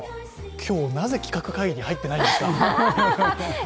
今日、なぜ企画会議に入ってないんですか？